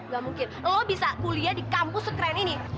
gak mungkin lo bisa kuliah di kampus sekeren ini